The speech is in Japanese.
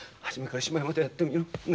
初めからしまいまでやってみろ。